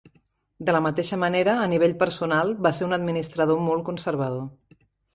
De la mateixa manera a nivell personal, va ser un administrador molt conservador.